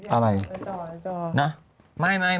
อ้าวเห็นยังไงตรงจอ